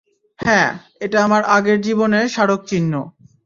হ্যাঁ, এটা আমার আগের জীবনের স্মারক চিহ্ন।